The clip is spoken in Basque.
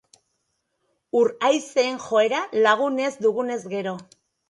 Ur-haizeen joera lagun ez dugunez gero.